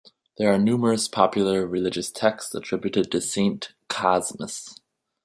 There are numerous popular religious texts attributed to Saint Cosmas.